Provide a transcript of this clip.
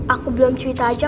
aku belum cerita aja